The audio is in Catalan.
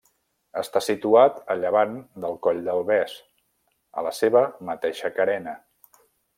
Està situat a llevant del Coll del Bes, a la seva mateixa carena.